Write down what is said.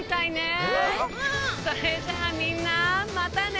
それじゃあみんなまたね！